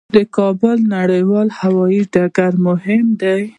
د کابل نړیوال هوايي ډګر مهم دی